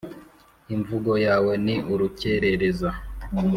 Imvugo yawe ni urukerereza